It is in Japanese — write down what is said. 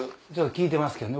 聞いてますけどね